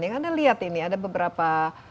yang anda lihat ini ada beberapa